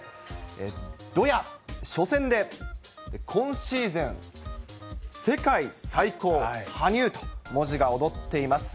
どや、初戦で今シーズン世界最高、羽生と文字がおどっています。